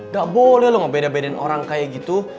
nggak boleh lo nggak beda bedain orang kayak gitu